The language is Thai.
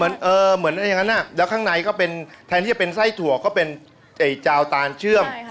ข้างนอกใี่อย่างนั้นและข้างในแทนที่จะเป็นไส้ถั่วก็เป็นเจาตารเชื่อม